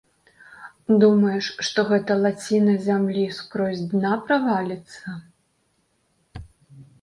Думаеш, што гэта лаціна зямлі скрозь дна праваліцца?